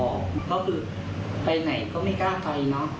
ก็คือไปไหนก็ไม่กล้าไปเนอะ